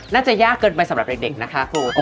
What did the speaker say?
น่าจะยากเกินไปสำหรับเด็กนะคะครู